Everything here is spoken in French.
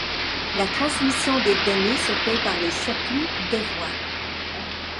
La transmission des données se fait par les circuits de voie.